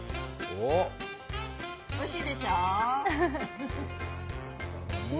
おいしいでしょう？